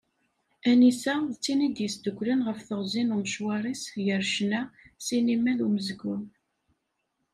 Anisa, d tin i d-yesduklen ɣef teɣzi n umecwar-is gar ccna, ssinima d umezgun.